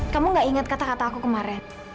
kamu gak ingat kata kata aku kemarin